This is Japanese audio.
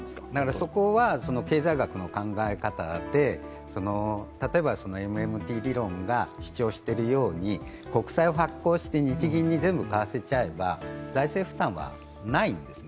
そこは経済学の考え方で例えばＭＭＴ理論が主張しているように国債を発行して日銀に全部買わせちゃえば財政負担はないんですね。